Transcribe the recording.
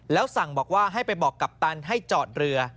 แล้วสั่งบอกว่าให้ไปบอกกัปตันให้จอดเรือ